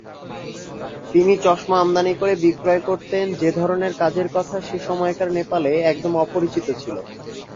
তিনি চশমা আমদানি করে বিক্রয় করতেন, যে ধরনের কাজের কথা সে সময়কার নেপালে একদম অপরিচিত ছিল।